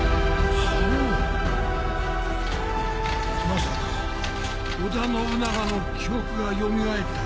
まさか織田信長の記憶が蘇った？